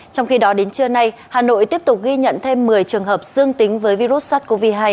trong khi đó đến trưa nay hà nội tiếp tục ghi nhận thêm một mươi trường hợp dương tính với virus sars cov hai